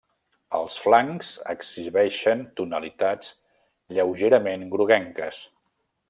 Els flancs exhibeixen tonalitats lleugerament groguenques.